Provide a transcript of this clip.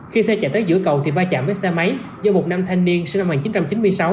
khi xe chạy tới giữa cầu thì va chạm với xe máy do một nam thanh niên sinh năm một nghìn chín trăm chín mươi sáu